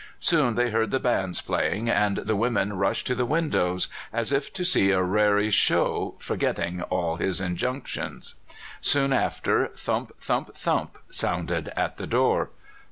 Soon they heard the bands playing, and the women rushed to the windows, as if to see a raree show, forgetting all his injunctions. Soon after thump! thump! thump! sounded at the door.